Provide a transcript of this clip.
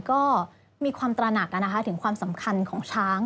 ก็มีความตระหนักถึงความสำคัญของช้าง